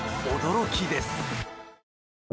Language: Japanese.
驚きです。